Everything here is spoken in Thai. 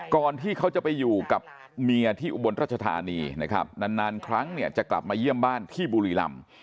ก่อนที่เขาจะไปอยู่กับเมียที่อุบลรัชธานีนะครับนานครั้งเนี่ยจะกลับมาเยี่ยมบ้านที่บุรีรำ